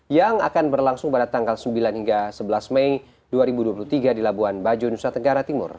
yang akan berlangsung pada tanggal sembilan hingga sebelas mei dua ribu dua puluh tiga di labuan bajo nusa tenggara timur